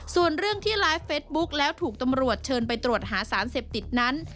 ส่วนเรื่องที่ไลฟ์เฟสบุ๊คแล้วถูกตำรวจเชิญไปตรวจหาสารเสพติดนั้น